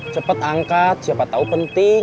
cepet angkat siapa tau penting